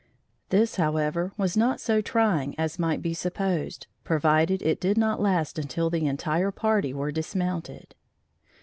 This, however, was not so trying as might be supposed, provided it did not last until the entire party were dismounted.